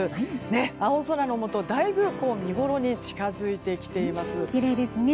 青空のもと、だいぶ見ごろに近づいてきています。